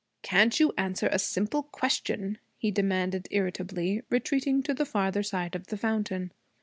'Can't you answer a simple question?' he demanded irritably, retreating to the farther side of the fountain.